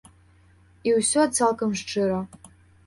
І ўсё цалкам шчыра.